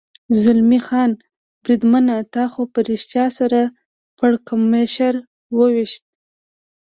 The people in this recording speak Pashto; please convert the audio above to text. زلمی خان: بریدمنه، تا خو په رښتیا سر پړکمشر و وېشت.